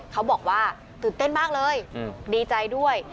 เขาบอกว่าตื่นเต้นมากเลยดีใจด้วย